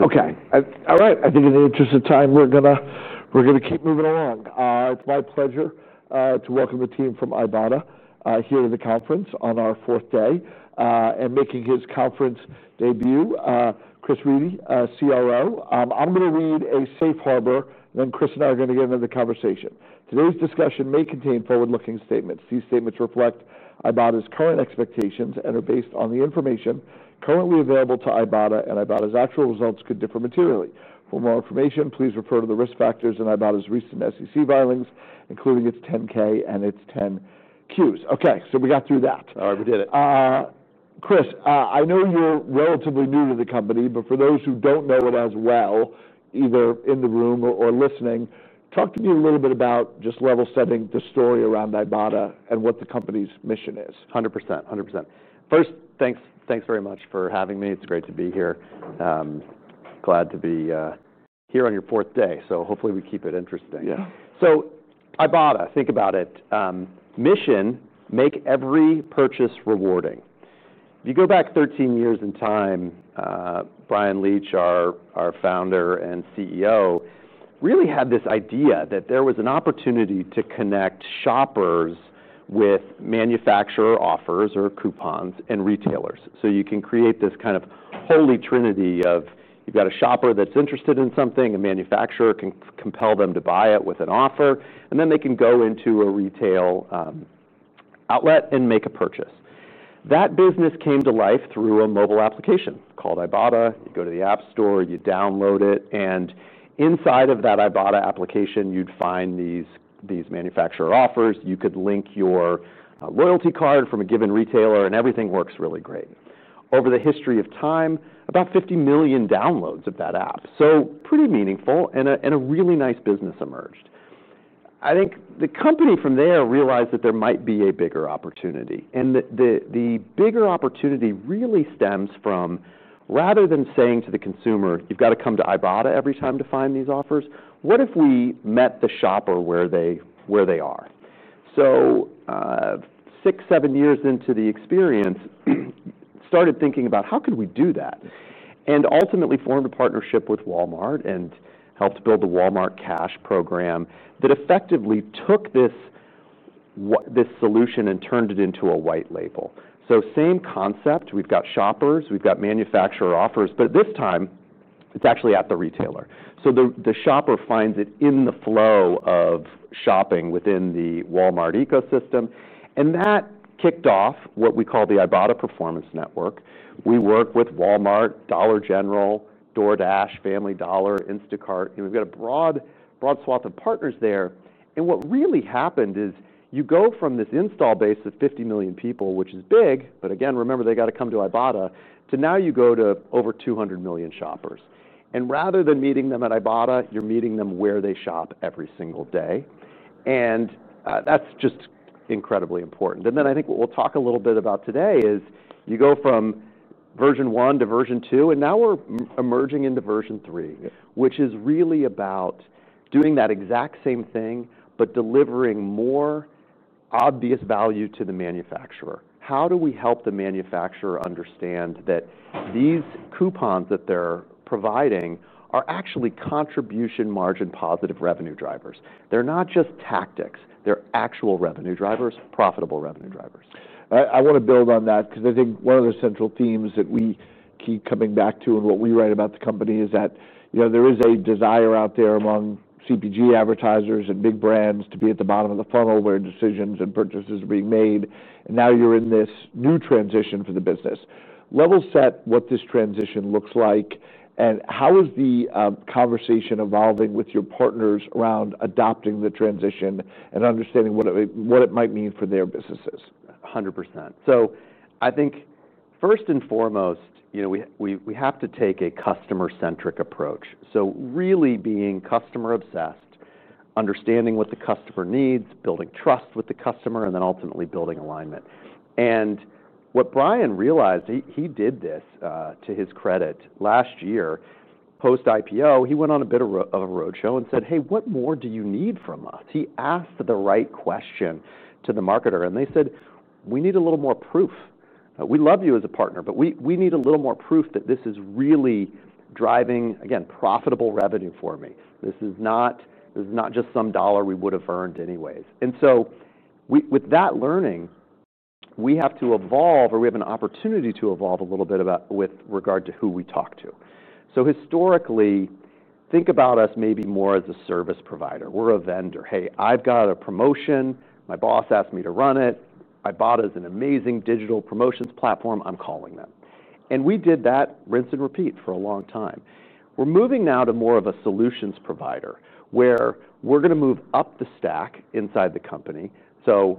Okay. All right. I think in the interest of time, we're going to keep moving along. It's my pleasure to welcome the team from Ibotta here to the conference on our fourth day and making his conference debut, Chris Riedy, CRO. I'm going to read a safe harbor, and then Chris and I are going to get into the conversation. Today's discussion may contain forward-looking statements. These statements reflect Ibotta's current expectations and are based on the information currently available to Ibotta, and Ibotta's actual results could differ materially. For more information, please refer to the risk factors in Ibotta's recent SEC filings, including its 10-K and its 10-Qs. Okay. We got through that. All right, we did it. Chris, I know you're relatively new to the company, but for those who don't know it as well, either in the room or listening, talk to me a little bit about just level-setting the story around Ibotta and what the company's mission is. 100%. 100%. First, thanks very much for having me. It's great to be here. Glad to be here on your fourth day. Hopefully we keep it interesting. Yeah. Ibotta, think about it. Mission: make every purchase rewarding. If you go back 13 years in time, Bryan Leach, our Founder and CEO, really had this idea that there was an opportunity to connect shoppers with manufacturer offers or coupons and retailers. You can create this kind of holy trinity of you've got a shopper that's interested in something, a manufacturer can compel them to buy it with an offer, and then they can go into a retail outlet and make a purchase. That business came to life through a mobile application called Ibotta. You'd go to the App Store, you'd download it, and inside of that Ibotta application, you'd find these manufacturer offers. You could link your loyalty card from a given retailer, and everything works really great. Over the history of time, about 50 million downloads of that app. Pretty meaningful and a really nice business emerged. I think the company from there realized that there might be a bigger opportunity. The bigger opportunity really stems from, rather than saying to the consumer, "You've got to come to Ibotta every time to find these offers," what if we met the shopper where they are? Six, seven years into the experience, started thinking about how could we do that? Ultimately formed a partnership with Walmart and helped build the Walmart Cash program that effectively took this solution and turned it into a white label. Same concept. We've got shoppers, we've got manufacturer offers, but at this time, it's actually at the retailer. The shopper finds it in the flow of shopping within the Walmart ecosystem. That kicked off what we call the Ibotta Performance Network. We work with Walmart, Dollar General, DoorDash, Family Dollar, Instacart. We've got a broad swath of partners there. What really happened is you go from this install base of 50 million people, which is big, but again, remember they got to come to Ibotta, to now you go to over 200 million shoppers. Rather than meeting them at Ibotta, you're meeting them where they shop every single day. That's just incredibly important. I think what we'll talk a little bit about today is you go from version one to version two, and now we're emerging into version three, which is really about doing that exact same thing, but delivering more obvious value to the manufacturer. How do we help the manufacturer understand that these coupons that they're providing are actually contribution margin-positive revenue drivers? They're not just tactics. They're actual revenue drivers, profitable revenue drivers. I want to build on that because I think one of the central themes that we keep coming back to in what we write about the company is that there is a desire out there among CPG advertisers and big brands to be at the bottom of the funnel where decisions and purchases are being made. Now you're in this new transition for the business. Level set what this transition looks like, and how is the conversation evolving with your partners around adopting the transition and understanding what it might mean for their businesses? 100%. I think first and foremost, we have to take a customer-centric approach. Really being customer-obsessed, understanding what the customer needs, building trust with the customer, and then ultimately building alignment. What Bryan Leach realized, to his credit last year, post-IPO, he went on a bit of a roadshow and said, "Hey, what more do you need from us?" He asked the right question to the marketer, and they said, "We need a little more proof. We love you as a partner, but we need a little more proof that this is really driving, again, profitable revenue for me. This is not just some dollar we would have earned anyways." With that learning, we have to evolve or we have an opportunity to evolve a little bit with regard to who we talk to. Historically, think about us maybe more as a service provider. We're a vendor. Hey, I've got a promotion. My boss asked me to run it. Ibotta is an amazing digital promotions platform. I'm calling them. We did that rinse and repeat for a long time. We're moving now to more of a solutions provider where we're going to move up the stack inside the company.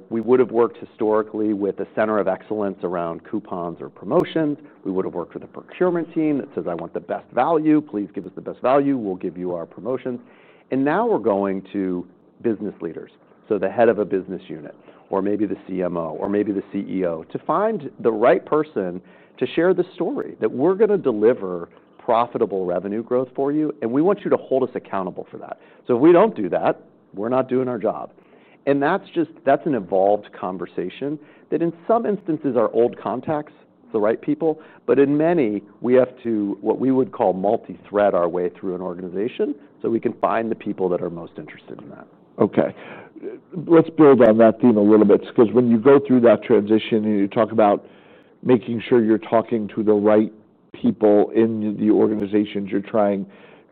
We would have worked historically with a center of excellence around coupons or promotions. We would have worked with a procurement team that says, "I want the best value. Please give us the best value. We'll give you our promotions." Now we're going to business leaders. The head of a business unit, or maybe the CMO, or maybe the CEO to find the right person to share the story that we're going to deliver profitable revenue growth for you, and we want you to hold us accountable for that. If we don't do that, we're not doing our job. That's an evolved conversation that in some instances are old contacts, the right people, but in many, we have to, what we would call, multi-thread our way through an organization so we can find the people that are most interested in that. Okay. Let's probe on that theme a little bit because when you go through that transition and you talk about making sure you're talking to the right people in the organizations you're trying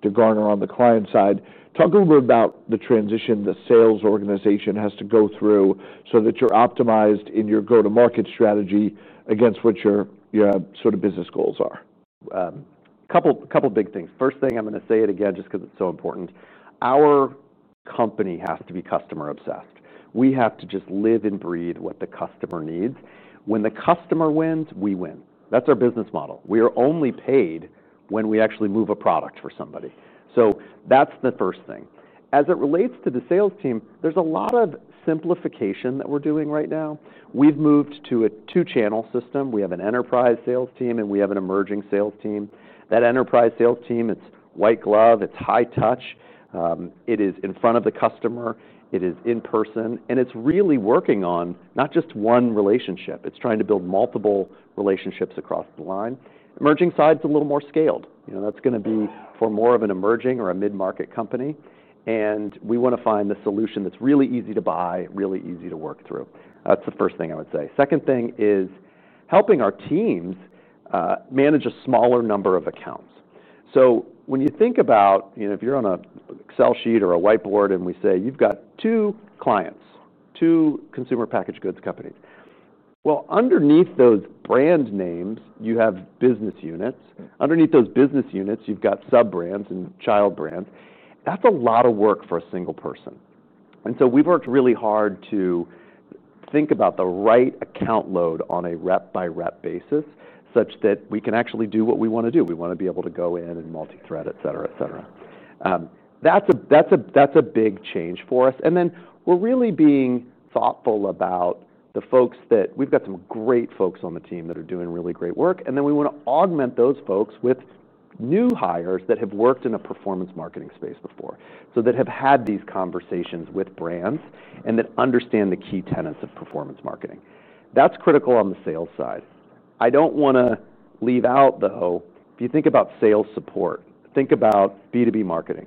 to garner on the client side, talk a little bit about the transition the sales organization has to go through so that you're optimized in your go-to-market strategy against what your sort of business goals are. A couple of big things. First thing, I'm going to say it again just because it's so important. Our company has to be customer-obsessed. We have to just live and breathe what the customer needs. When the customer wins, we win. That's our business model. We are only paid when we actually move a product for somebody. That's the first thing. As it relates to the sales team, there's a lot of simplification that we're doing right now. We've moved to a two-channel system. We have an enterprise sales team and we have an emerging sales team. That enterprise sales team, it's white glove, it's high touch, it is in front of the customer, it is in person, and it's really working on not just one relationship. It's trying to build multiple relationships across the line. The emerging side's a little more scaled. That's going to be for more of an emerging or a mid-market company, and we want to find the solution that's really easy to buy, really easy to work through. That's the first thing I would say. Second thing is helping our teams manage a smaller number of accounts. When you think about, you know, if you're on an Excel sheet or a whiteboard and we say you've got two clients, two consumer packaged goods companies, well, underneath those brand names, you have business units. Underneath those business units, you've got sub-brands and child brands. That's a lot of work for a single person. We've worked really hard to think about the right account load on a rep-by-rep basis such that we can actually do what we want to do. We want to be able to go in and multi-thread, et cetera, et cetera. That's a big change for us. We're really being thoughtful about the folks that we've got. Some great folks on the team are doing really great work. We want to augment those folks with new hires that have worked in a performance marketing space before, that have had these conversations with brands and that understand the key tenets of performance marketing. That's critical on the sales side. I don't want to leave out, though, if you think about sales support, think about B2B marketing.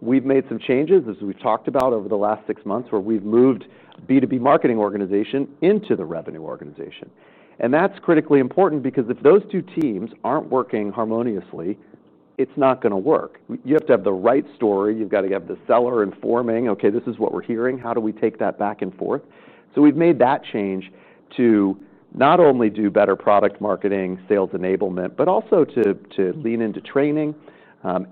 We've made some changes, as we've talked about over the last six months, where we've moved the B2B marketing organization into the revenue organization. That's critically important because if those two teams aren't working harmoniously, it's not going to work. You have to have the right story. You've got to have the seller informing, "Okay, this is what we're hearing." How do we take that back and forth? We've made that change to not only do better product marketing and sales enablement, but also to lean into training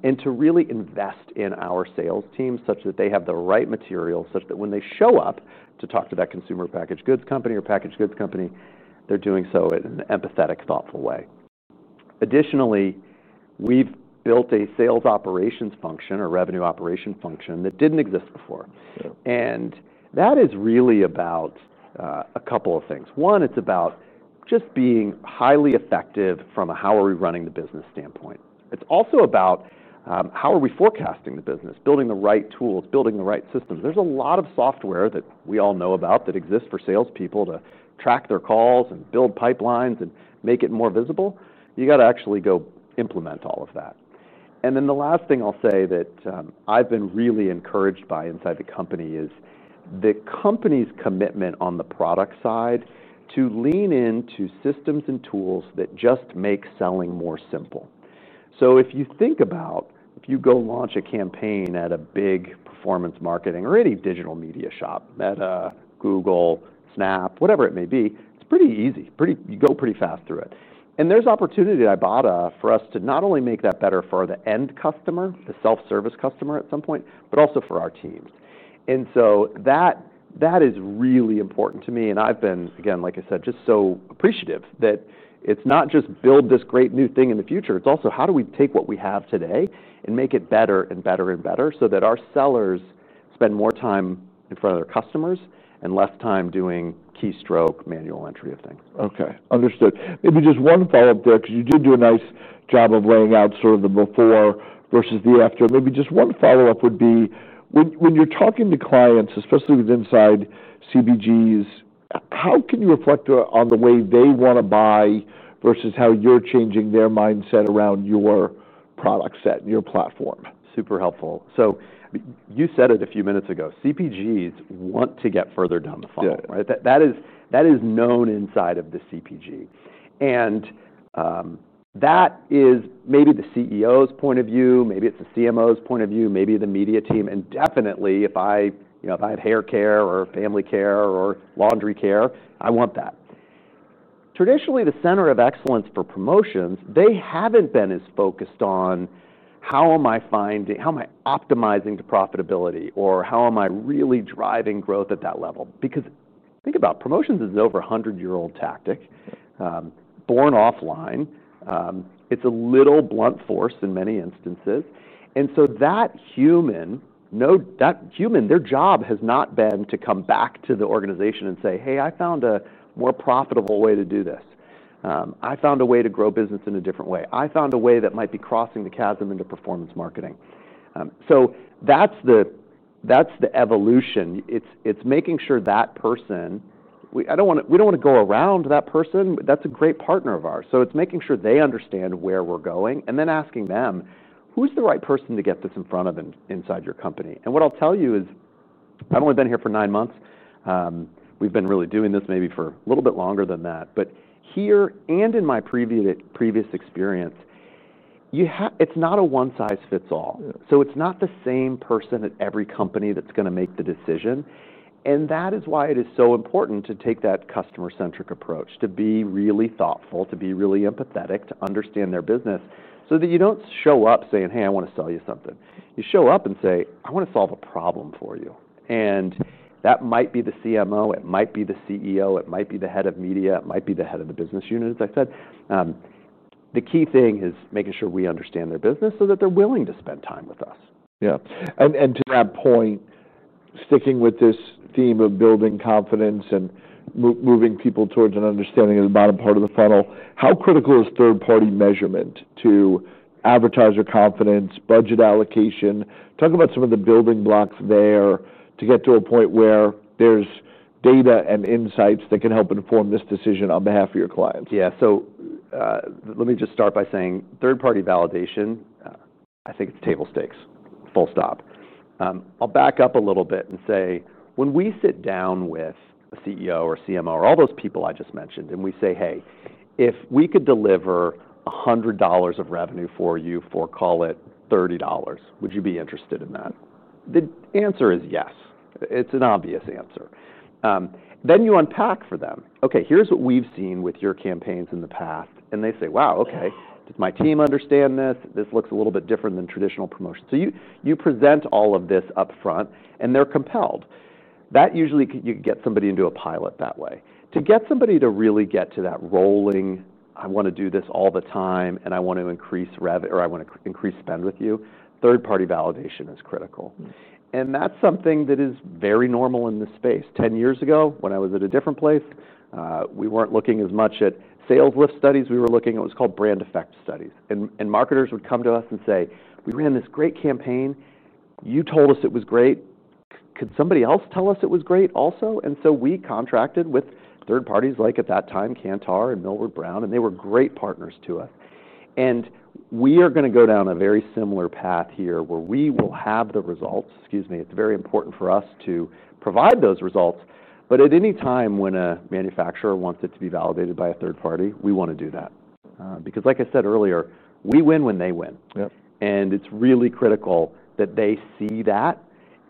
and to really invest in our sales teams such that they have the right material, such that when they show up to talk to that consumer packaged goods company or packaged goods company, they're doing so in an empathetic, thoughtful way. Additionally, we've built a sales operations function or revenue operation function that didn't exist before. That is really about a couple of things. One, it's about just being highly effective from a how are we running the business standpoint. It's also about how are we forecasting the business, building the right tools, building the right systems. There's a lot of software that we all know about that exists for salespeople to track their calls and build pipelines and make it more visible. You have to actually go implement all of that. The last thing I'll say that I've been really encouraged by inside the company is the company's commitment on the product side to lean into systems and tools that just make selling more simple. If you think about launching a campaign at a big performance marketing or any digital media shop, Meta, Google, Snap, whatever it may be, it's pretty easy. You go pretty fast through it. There's opportunity at Ibotta for us to not only make that better for the end customer, the self-service customer at some point, but also for our teams. That is really important to me. I've been, again, like I said, just so appreciative that it's not just build this great new thing in the future. It's also how do we take what we have today and make it better and better and better so that our sellers spend more time in front of their customers and less time doing keystroke manual entry of things. Okay. Understood. Maybe just one follow-up there, because you did do a nice job of laying out sort of the before versus the after. Maybe just one follow-up would be when you're talking to clients, especially with inside CPGs, how can you reflect on the way they want to buy versus how you're changing their mindset around your product set and your platform? Super helpful. You said it a few minutes ago. CPGs want to get further down the funnel. That is known inside of the CPG. That is maybe the CEO's point of view, maybe it's the CMO's point of view, maybe the media team. Definitely, if I have hair care or family care or laundry care, I want that. Traditionally, the center of excellence for promotions hasn't been as focused on how am I finding, how am I optimizing to profitability, or how am I really driving growth at that level? Think about promotions as an over 100-year-old tactic, born offline. It's a little blunt force in many instances. That human, their job has not been to come back to the organization and say, "Hey, I found a more profitable way to do this. I found a way to grow business in a different way. I found a way that might be crossing the chasm into performance marketing." That's the evolution. It's making sure that person, we don't want to go around that person. That's a great partner of ours. It's making sure they understand where we're going and then asking them, "Who's the right person to get this in front of inside your company?" What I'll tell you is I've only been here for nine months. We've been really doing this maybe for a little bit longer than that. Here and in my previous experience, it's not a one-size-fits-all. It's not the same person at every company that's going to make the decision. That is why it is so important to take that customer-centric approach, to be really thoughtful, to be really empathetic, to understand their business so that you don't show up saying, "Hey, I want to sell you something." You show up and say, "I want to solve a problem for you." That might be the CMO, it might be the CEO, it might be the head of media, it might be the head of the business unit, as I said. The key thing is making sure we understand their business so that they're willing to spend time with us. Yeah. To that point, sticking with this theme of building confidence and moving people towards an understanding of the bottom part of the funnel, how critical is third-party measurement to advertiser confidence, budget allocation? Talk about some of the building blocks there to get to a point where there's data and insights that can help inform this decision on behalf of your clients. Yeah. Let me just start by saying third-party validation, I think it's table stakes, full stop. I'll back up a little bit and say, when we sit down with a CEO or CMO or all those people I just mentioned and we say, "Hey, if we could deliver $100 of revenue for you for, call it $30, would you be interested in that?" The answer is yes. It's an obvious answer. You unpack for them, okay, here's what we've seen with your campaigns in the past. They say, "Wow, okay. Does my team understand this? This looks a little bit different than traditional promotion." You present all of this upfront and they're compelled. Usually you can get somebody into a pilot that way. To get somebody to really get to that rolling, "I want to do this all the time and I want to increase revenue or I want to increase spend with you," third-party validation is critical. That's something that is very normal in this space. 10 years ago, when I was at a different place, we weren't looking as much at sales lift studies. We were looking at what was called brand effect studies. Marketers would come to us and say, "We ran this great campaign. You told us it was great. Could somebody else tell us it was great also?" We contracted with third parties like at that time Kantar and Millward Brown, and they were great partners to us. We are going to go down a very similar path here where we will have the results. Excuse me, it's very important for us to provide those results. At any time when a manufacturer wants it to be validated by a third party, we want to do that. Like I said earlier, we win when they win. It's really critical that they see that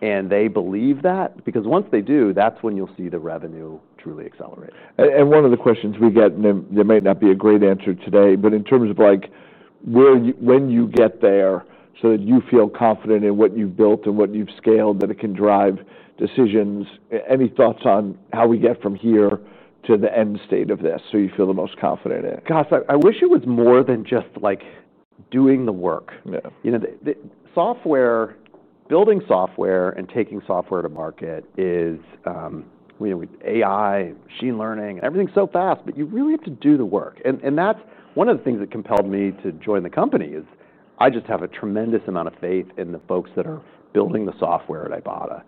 and they believe that because once they do, that's when you'll see the revenue truly accelerate. One of the questions we get, and there might not be a great answer today, is in terms of when you get there so that you feel confident in what you've built and what you've scaled, that it can drive decisions. Any thoughts on how we get from here to the end state of this so you feel the most confident in it? Gosh, I wish it was more than just like doing the work. You know, software, building software and taking software to market is, you know, with AI, machine learning, everything's so fast, but you really have to do the work. That's one of the things that compelled me to join the company. I just have a tremendous amount of faith in the folks that are building the software at Ibotta.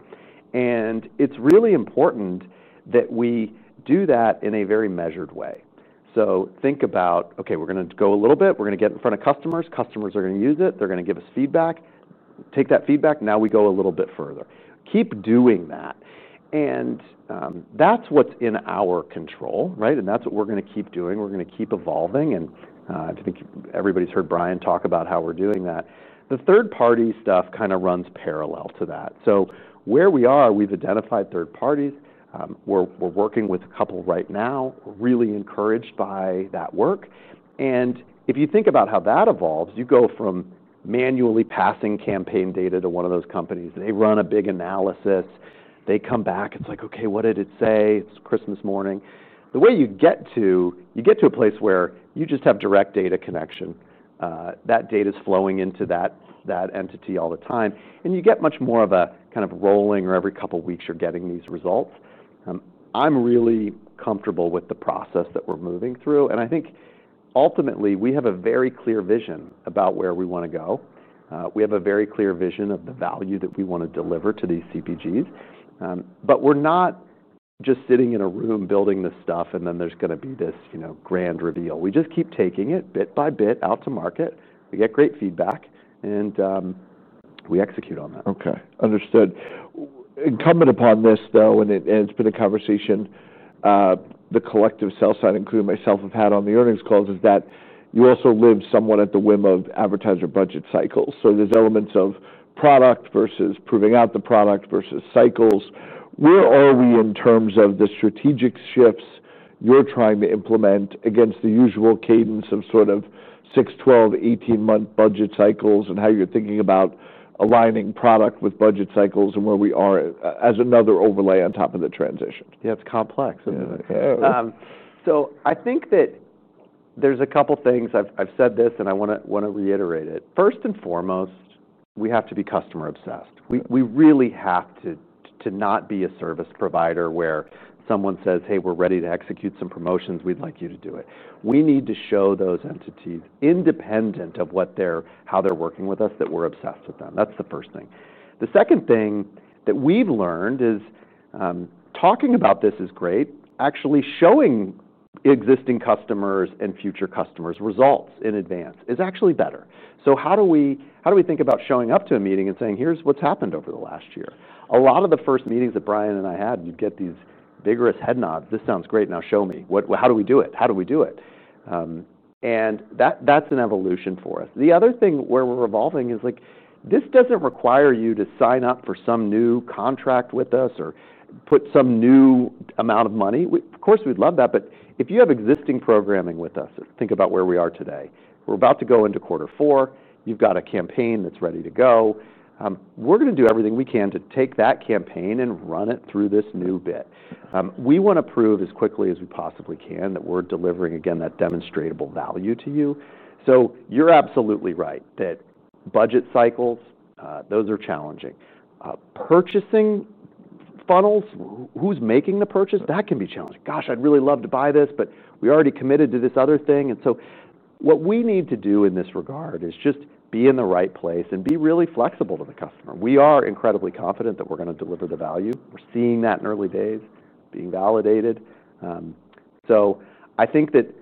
It's really important that we do that in a very measured way. Think about, okay, we're going to go a little bit, we're going to get in front of customers, customers are going to use it, they're going to give us feedback, take that feedback, now we go a little bit further. Keep doing that. That's what's in our control, right? That's what we're going to keep doing. We're going to keep evolving. I think everybody's heard Bryan talk about how we're doing that. The third-party stuff kind of runs parallel to that. Where we are, we've identified third parties. We're working with a couple right now. We're really encouraged by that work. If you think about how that evolves, you go from manually passing campaign data to one of those companies. They run a big analysis. They come back. It's like, okay, what did it say? It's Christmas morning. The way you get to, you get to a place where you just have direct data connection. That data is flowing into that entity all the time. You get much more of a kind of rolling or every couple of weeks you're getting these results. I'm really comfortable with the process that we're moving through. I think ultimately we have a very clear vision about where we want to go. We have a very clear vision of the value that we want to deliver to these CPGs. We're not just sitting in a room building this stuff and then there's going to be this grand reveal. We just keep taking it bit by bit out to market. We get great feedback and we execute on that. Okay. Understood. Incumbent upon this though, and it's been a conversation the collective sell side including myself have had on the earnings calls, is that you also live somewhat at the whim of advertiser budget cycles. There are elements of product versus proving out the product versus cycles. Where are we in terms of the strategic shifts we're trying to implement against the usual cadence of sort of 6, 12, 18-month budget cycles, and how you're thinking about aligning product with budget cycles and where we are as another overlay on top of the transition? Yeah, it's complex. I think that there's a couple of things. I've said this and I want to reiterate it. First and foremost, we have to be customer-obsessed. We really have to not be a service provider where someone says, "Hey, we're ready to execute some promotions. We'd like you to do it." We need to show those entities, independent of how they're working with us, that we're obsessed with them. That's the first thing. The second thing that we've learned is talking about this is great. Actually showing existing customers and future customers results in advance is actually better. How do we think about showing up to a meeting and saying, "Here's what's happened over the last year?" A lot of the first meetings that Bryan and I had, you'd get these vigorous head nods. This sounds great. Now show me. How do we do it? How do we do it? That's an evolution for us. The other thing where we're evolving is this doesn't require you to sign up for some new contract with us or put some new amount of money. Of course, we'd love that. If you have existing programming with us, think about where we are today. We're about to go into quarter four. You've got a campaign that's ready to go. We're going to do everything we can to take that campaign and run it through this new bit. We want to prove as quickly as we possibly can that we're delivering, again, that demonstrable value to you. You're absolutely right that budget cycles, those are challenging. Purchasing funnels, who's making the purchase, that can be challenging. Gosh, I'd really love to buy this, but we already committed to this other thing. What we need to do in this regard is just be in the right place and be really flexible to the customer. We are incredibly confident that we're going to deliver the value. We're seeing that in early days, being validated. I think that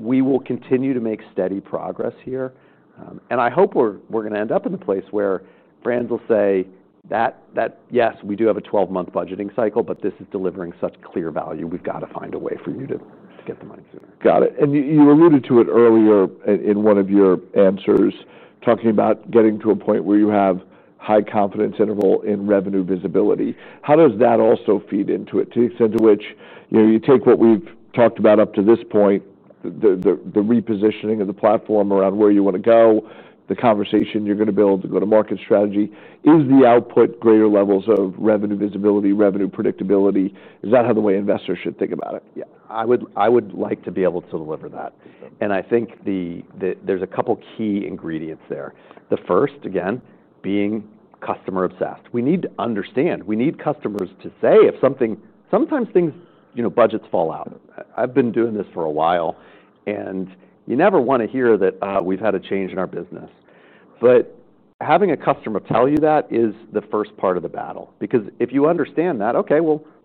we will continue to make steady progress here. I hope we're going to end up in the place where brands will say that, yes, we do have a 12-month budgeting cycle, but this is delivering such clear value. We've got to find a way for you to get the money sooner. Got it. You alluded to it earlier in one of your answers, talking about getting to a point where you have high confidence interval in revenue visibility. How does that also feed into it to the extent to which you take what we've talked about up to this point, the repositioning of the platform around where you want to go, the conversation you're going to build, the go-to-market strategy? Is the output greater levels of revenue visibility, revenue predictability? Is that how the way investors should think about it? Yeah, I would like to be able to deliver that. I think there's a couple of key ingredients there. The first, again, being customer-obsessed. We need to understand. We need customers to say if something, sometimes things, you know, budgets fall out. I've been doing this for a while, and you never want to hear that we've had a change in our business. Having a customer tell you that is the first part of the battle. If you understand that, okay,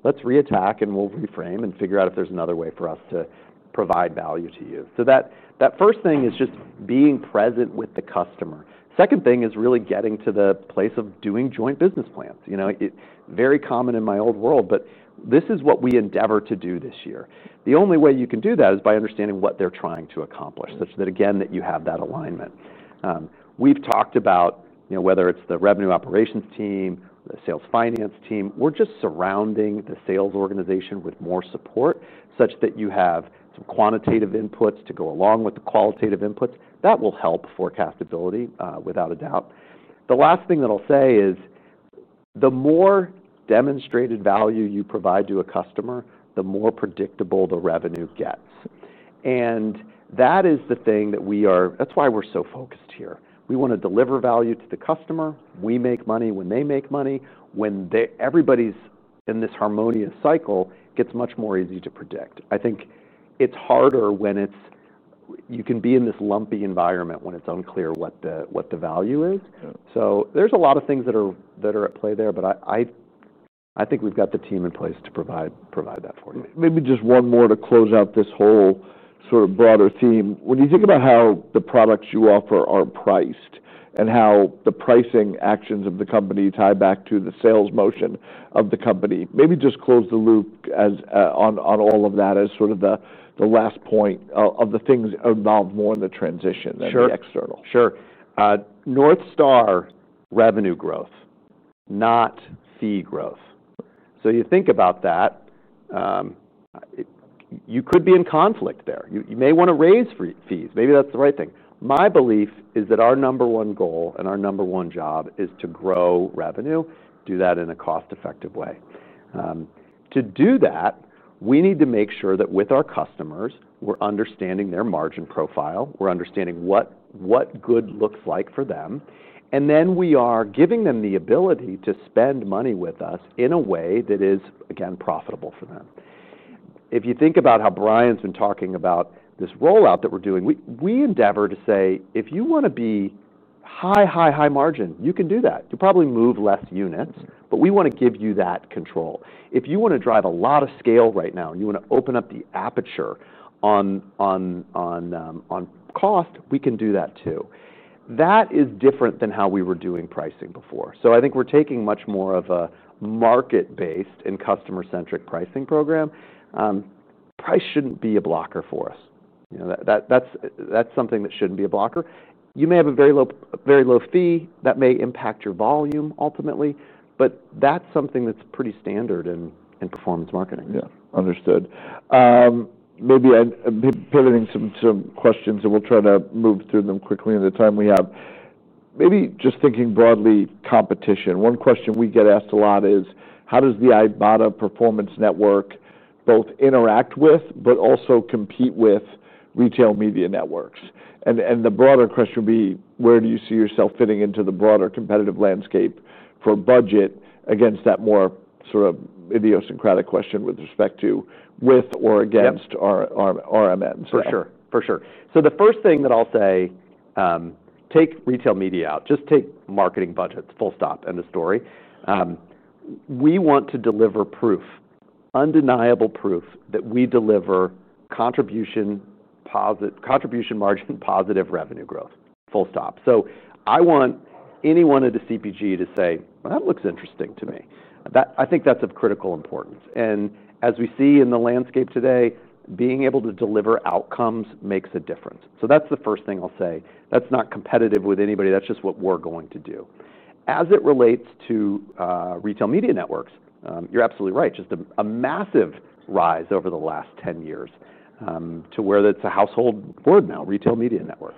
let's reattack and we'll reframe and figure out if there's another way for us to provide value to you. That first thing is just being present with the customer. The second thing is really getting to the place of doing joint business plans. Very common in my old world, but this is what we endeavor to do this year. The only way you can do that is by understanding what they're trying to accomplish, such that, again, you have that alignment. We've talked about whether it's the revenue operations team, the sales finance team, we're just surrounding the sales organization with more support, such that you have some quantitative inputs to go along with the qualitative inputs. That will help forecastability without a doubt. The last thing that I'll say is the more demonstrated value you provide to a customer, the more predictable the revenue gets. That is the thing that we are, that's why we're so focused here. We want to deliver value to the customer. We make money when they make money. When everybody's in this harmonious cycle, it gets much more easy to predict. I think it's harder when it's, you can be in this lumpy environment when it's unclear what the value is. There's a lot of things that are at play there, but I think we've got the team in place to provide that for you. Maybe just one more to close out this whole sort of broader theme. When you think about how the products you offer aren't priced and how the pricing actions of the company tie back to the sales motion of the company, maybe just close the loop on all of that as sort of the last point of the things that involve more in the transition than the external. Sure. North Star revenue growth, not fee growth. You think about that. You could be in conflict there. You may want to raise fees. Maybe that's the right thing. My belief is that our number one goal and our number one job is to grow revenue, do that in a cost-effective way. To do that, we need to make sure that with our customers, we're understanding their margin profile, we're understanding what good looks like for them, and then we are giving them the ability to spend money with us in a way that is, again, profitable for them. If you think about how Bryan's been talking about this rollout that we're doing, we endeavor to say, if you want to be high, high, high margin, you can do that. You'll probably move less units, but we want to give you that control. If you want to drive a lot of scale right now and you want to open up the aperture on cost, we can do that too. That is different than how we were doing pricing before. I think we're taking much more of a market-based and customer-centric pricing program. Price shouldn't be a blocker for us. That's something that shouldn't be a blocker. You may have a very low fee that may impact your volume ultimately, but that's something that's pretty standard in performance marketing. Yeah, understood. Maybe pivoting some questions and we'll try to move through them quickly in the time we have. Maybe just thinking broadly, competition. One question we get asked a lot is how does the Ibotta Performance Network both interact with, but also compete with, retail media networks? The broader question would be, where do you see yourself fitting into the broader competitive landscape for a budget against that more sort of idiosyncratic question with respect to with or against our RMN? For sure. The first thing that I'll say, take retail media out. Just take marketing budgets, full stop, end of story. We want to deliver proof, undeniable proof that we deliver contribution margin-positive revenue growth, full stop. I want anyone at a CPG to say, "Well, that looks interesting to me." I think that's of critical importance. As we see in the landscape today, being able to deliver outcomes makes a difference. That's the first thing I'll say. That's not competitive with anybody. That's just what we're going to do. As it relates to retail media networks, you're absolutely right. There has been a massive rise over the last 10 years to where it's a household word now, retail media network.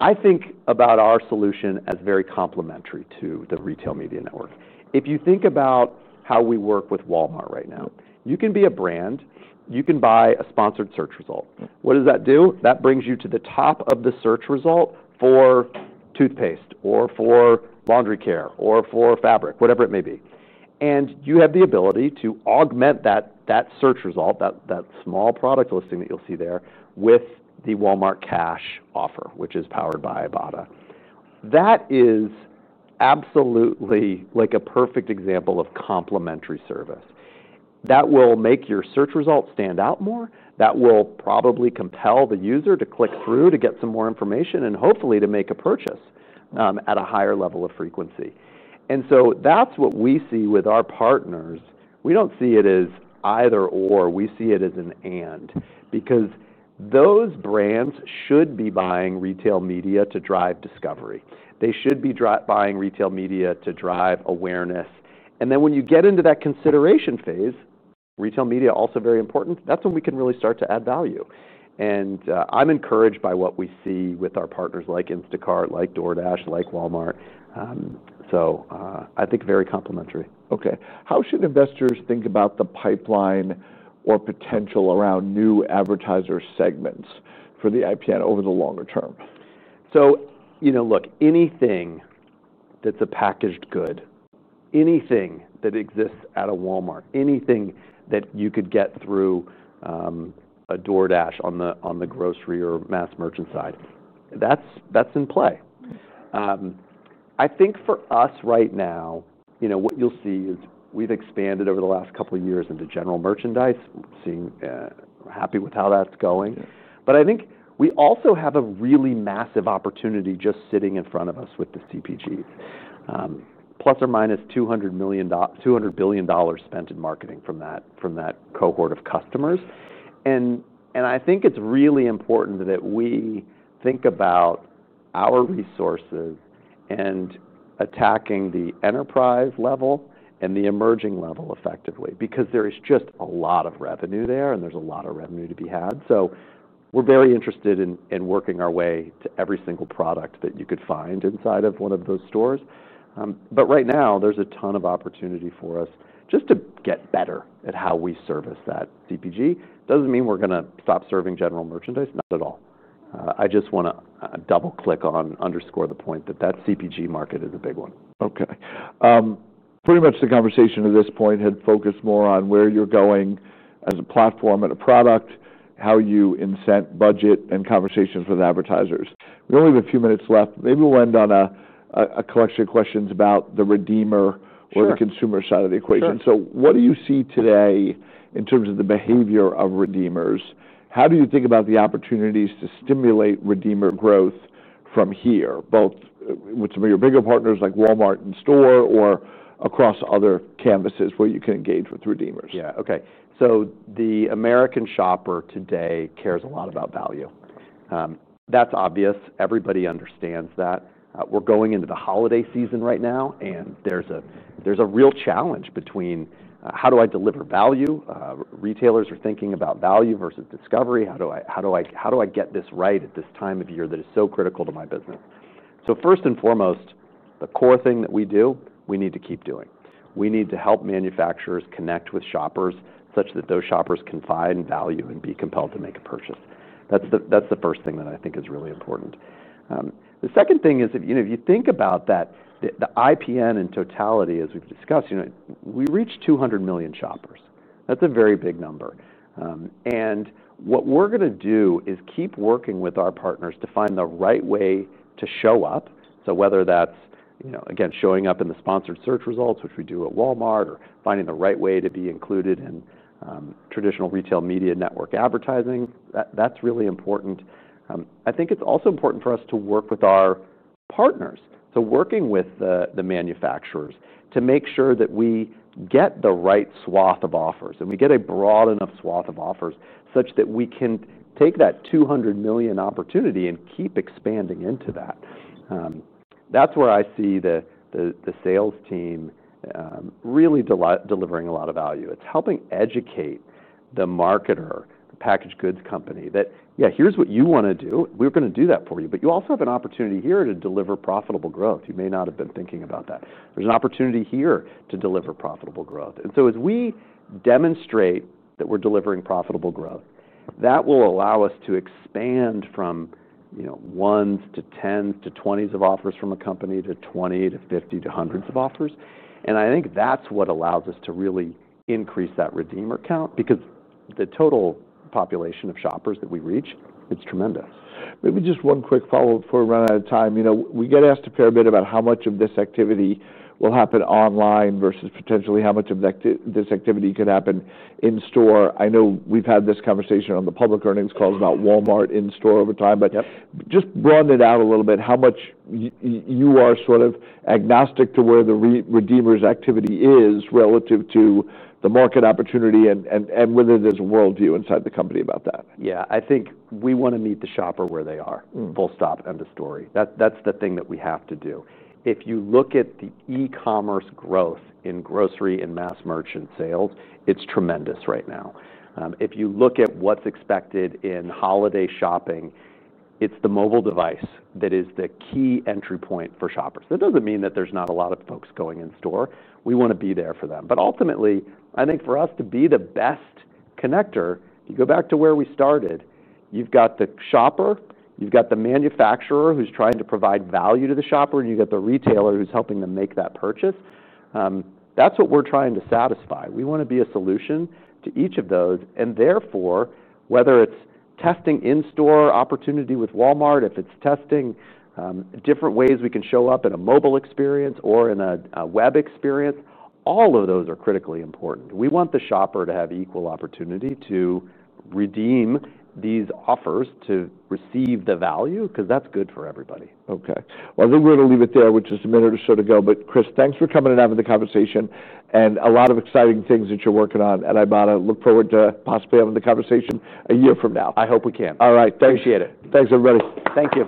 I think about our solution as very complementary to the retail media network. If you think about how we work with Walmart right now, you can be a brand, you can buy a sponsored search result. What does that do? That brings you to the top of the search result for toothpaste or for laundry care or for fabric, whatever it may be. You have the ability to augment that search result, that small product listing that you'll see there, with the Walmart Cash offer, which is powered by Ibotta. That is absolutely a perfect example of complementary service. That will make your search result stand out more. That will probably compel the user to click through to get some more information and hopefully to make a purchase at a higher level of frequency. That's what we see with our partners. We don't see it as either or. We see it as an and because those brands should be buying retail media to drive discovery. They should be buying retail media to drive awareness. When you get into that consideration phase, retail media is also very important. That's when we can really start to add value. I'm encouraged by what we see with our partners like Instacart, like DoorDash, like Walmart. I think very complementary. Okay. How should investors think about the pipeline or potential around new advertiser segments for the Ibotta Performance Network over the longer term? Anything that's a packaged good, anything that exists at a Walmart, anything that you could get through a DoorDash on the grocery or mass merchant side, that's in play. I think for us right now, what you'll see is we've expanded over the last couple of years into general merchandise, seeing happy with how that's going. I think we also have a really massive opportunity just sitting in front of us with the CPGs. Plus or minus $200 billion spent in marketing from that cohort of customers. I think it's really important that we think about our resources and attacking the enterprise level and the emerging level effectively because there is just a lot of revenue there and there's a lot of revenue to be had. We're very interested in working our way to every single product that you could find inside of one of those stores. Right now, there's a ton of opportunity for us just to get better at how we service that CPG. Doesn't mean we're going to stop serving general merchandise. Not at all. I just want to double-click on underscore the point that that CPG market is a big one. Okay. Pretty much the conversation at this point had focused more on where you're going as a platform and a product, how you incent budget and conversations with advertisers. We only have a few minutes left. Maybe we'll end on a collection of questions about the redeemer or the consumer side of the equation. What do you see today in terms of the behavior of redeemers? How do you think about the opportunities to stimulate redeemer growth from here, both with some of your bigger partners like Walmart and store or across other canvases where you can engage with redeemers? Yeah, okay. The American shopper today cares a lot about value. That's obvious. Everybody understands that. We're going into the holiday season right now, and there's a real challenge between how do I deliver value? Retailers are thinking about value versus discovery. How do I get this right at this time of year that is so critical to my business? First and foremost, the core thing that we do, we need to keep doing. We need to help manufacturers connect with shoppers such that those shoppers can find value and be compelled to make a purchase. That's the first thing that I think is really important. The second thing is, if you think about that, the Ibotta Performance Network in totality, as we've discussed, we reach 200 million shoppers. That's a very big number. What we're going to do is keep working with our partners to find the right way to show up. Whether that's showing up in the sponsored search results, which we do at Walmart, or finding the right way to be included in traditional retail media network advertising, that's really important. I think it's also important for us to work with our partners. Working with the manufacturers to make sure that we get the right swath of offers and we get a broad enough swath of offers such that we can take that 200 million opportunity and keep expanding into that. That's where I see the sales team really delivering a lot of value. It's helping educate the marketer, the packaged goods company that, yeah, here's what you want to do. We're going to do that for you, but you also have an opportunity here to deliver profitable growth. You may not have been thinking about that. There's an opportunity here to deliver profitable growth. As we demonstrate that we're delivering profitable growth, that will allow us to expand from ones to tens to twenties of offers from a company to 20 to 50 to hundreds of offers. I think that's what allows us to really increase that redeemer count because the total population of shoppers that we reach, it's tremendous. Maybe just one quick follow-up before we run out of time. You know, we get asked a fair bit about how much of this activity will happen online versus potentially how much of this activity can happen in store. I know we've had this conversation on the public earnings calls about Walmart in store over time, but just broaden it out a little bit. How much you are sort of agnostic to where the redeemer's activity is relative to the market opportunity and whether there's a worldview inside the company about that. I think we want to meet the shopper where they are, full stop, end of story. That's the thing that we have to do. If you look at the e-commerce growth in grocery and mass merchant sales, it's tremendous right now. If you look at what's expected in holiday shopping, it's the mobile device that is the key entry point for shoppers. That doesn't mean that there's not a lot of folks going in store. We want to be there for them. Ultimately, I think for us to be the best connector, you go back to where we started. You've got the shopper, you've got the manufacturer who's trying to provide value to the shopper, and you get the retailer who's helping them make that purchase. That's what we're trying to satisfy. We want to be a solution to each of those. Therefore, whether it's testing in-store opportunity with Walmart, if it's testing different ways we can show up in a mobile experience or in a web experience, all of those are critically important. We want the shopper to have equal opportunity to redeem these offers to receive the value because that's good for everybody. Okay. I think we're going to leave it there. We're just a minute or so to go. Chris, thanks for coming and having the conversation and a lot of exciting things that you're working on at Ibotta. Look forward to possibly having the conversation a year from now. I hope we can. All right. Appreciate it. Thanks, everybody. Thank you.